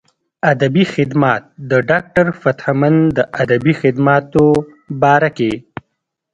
ادبي خدمات د ډاکټر فتح مند د ادبي خدماتو باره کښې